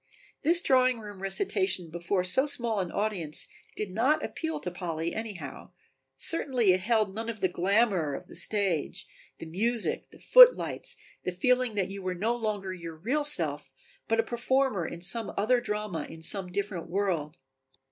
This drawing room recitation before so small an audience did not appeal to Polly anyhow, certainly it held none of the glamour of the stage, the music, the footlights, the feeling that you were no longer your real self but a performer in some other drama in some different world.